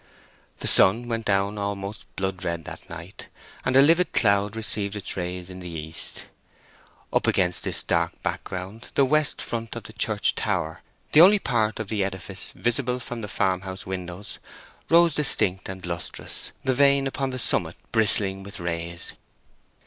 The sun went down almost blood red that night, and a livid cloud received its rays in the east. Up against this dark background the west front of the church tower—the only part of the edifice visible from the farm house windows—rose distinct and lustrous, the vane upon the summit bristling with rays.